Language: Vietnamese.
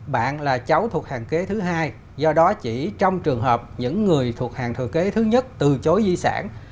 bạn là cháu thuộc hàng kế thứ hai do đó chỉ trong trường hợp những người thuộc hàng thừa kế thứ nhất từ chối di sản